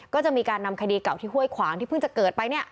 ก็จะมีการนำคดีเก่าที่ห้วยขวางที่เพิ่งจะเกิดไปเนี่ย